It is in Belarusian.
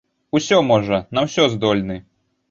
Усё можа, на ўсё здольны.